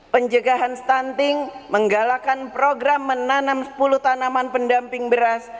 pencegahan stunting menggalakan program menanam sepuluh tanaman pendamping beras